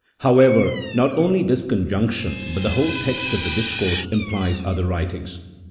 However, not only this conjunction, but the whole text of the discourse implies other writings.